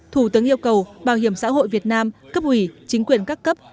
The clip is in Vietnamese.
thủ tướng yêu cầu bảo hiểm xã hội việt nam cấp ủy chính quyền các cấp